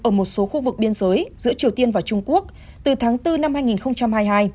ở một số khu vực biên giới giữa triều tiên và trung quốc từ tháng bốn năm hai nghìn hai mươi hai